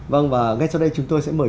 vâng và ngay sau đây chúng tôi sẽ mời